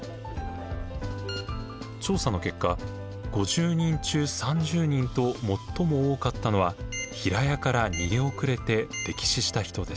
調査の結果５０人中３０人と最も多かったのは平屋から逃げ遅れて溺死した人でした。